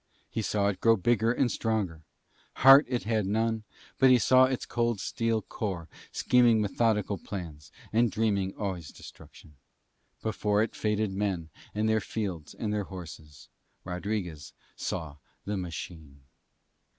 He saw it grow bigger and stronger. Heart it had none, but he saw its cold steel core scheming methodical plans and dreaming always destruction. Before it faded men and their fields and their houses. Rodriguez saw the machine.